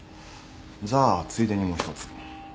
じゃあついでにもう１つ。